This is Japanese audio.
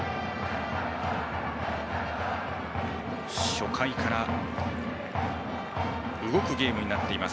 初回から動くゲームになっています。